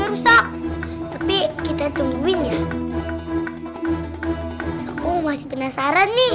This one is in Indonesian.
aku masih penasaran nih